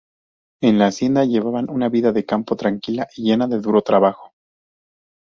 En la hacienda llevaban una vida de campo tranquila y llena de duro trabajo.